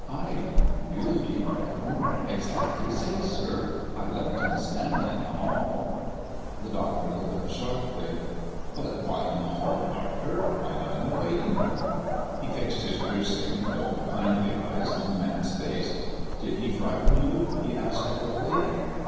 "I really couldn't exactly say, sir. I left him standing in the 'all " The doctor looked up sharply. "But why in the hall, Barker? Why not in the waiting room?" He fixed his piercing though kindly eyes on the man's face. "Did he frighten you?" he asked quickly.